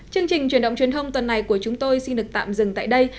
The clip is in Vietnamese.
chương trình truyền động truyền thông tuần này của chúng tôi xin được tạm dừng tại đây